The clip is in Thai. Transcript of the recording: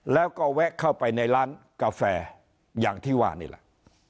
แล้วก็แวะเข้าไปในร้านกาแฟอย่างที่ว่านี่แหละ